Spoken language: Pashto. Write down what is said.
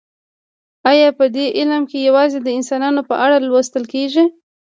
ایا په دې علم کې یوازې د انسانانو په اړه لوستل کیږي